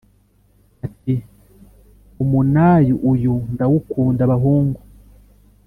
Ati: “Umunayu uyu ndawukunda bahungu